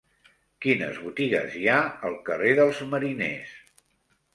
Quines botigues hi ha al carrer dels Mariners?